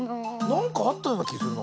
なんかあったようなきするな。